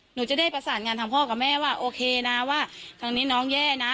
หนูจะได้ประสานงานทางพ่อกับแม่ว่าโอเคนะว่าทางนี้น้องแย่นะ